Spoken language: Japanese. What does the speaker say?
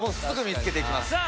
すぐ見つけていきます。